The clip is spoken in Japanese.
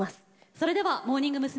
それではモーニング娘。